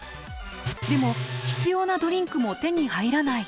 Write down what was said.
でも必要なドリンクも手に入らない。